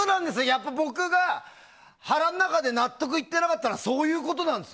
やっぱ、僕が腹の中で納得いってなかったのはそういうことなんです。